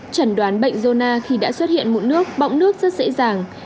chẩn đoán bệnh gon khi đã xuất hiện mụn nước bọng nước rất dễ dàng